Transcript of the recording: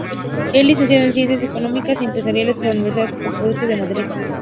Es licenciado en Ciencias Económicas y Empresariales por la Universidad Complutense de Madrid.